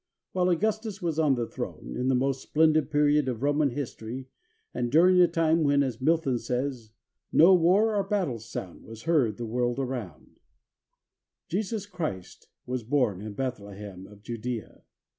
While Augustus was on the throne, in the most splendid period of Roman history, and during a time when, as Milton says, —" No war or battle's sound Was heard the world around," — Jesus Christ was born in Bethlehem of Judaea.